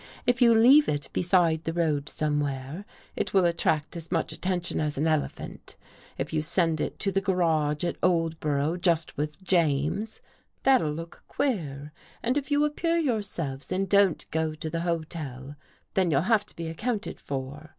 If you leave it beside the road somewhere, it will attract as much attention as an elephant. If you send it to the garage at Oldbor ough just with James, that'll look queer, and if you appear yourselves and don't go to the hotel, then you'll have to be accounted for.